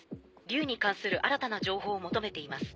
竜に関する新たな情報を求めています。